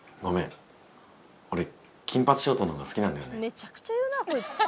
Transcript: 「めちゃくちゃ言うなこいつ！